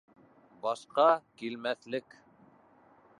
— Башҡа килмәҫлек